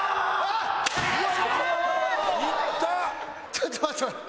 ちょっと待って待って。